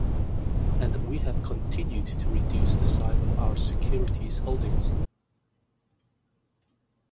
And we have continued to reduce the size of our securities holdings.